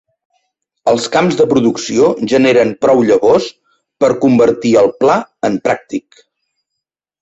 Els camps de producció generen prou llavors per convertir el pla en pràctic.